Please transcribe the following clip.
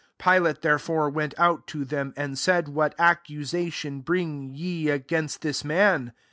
29 Pilate, therefore, went out to theffi, and said, " What accusa tion bring ye against this man?"